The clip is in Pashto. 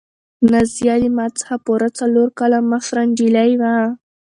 نازیه له ما څخه پوره څلور کاله مشره نجلۍ وه.